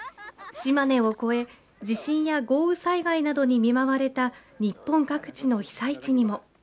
島根を越え地震や豪雨災害などに見舞われた日本各地の被災地にも。